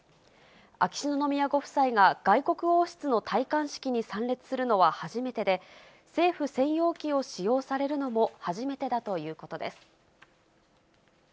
秋篠宮ご夫妻が、外国王室の戴冠式に参列するのは初めてで、政府専用機を使用されるのも初めてだということです。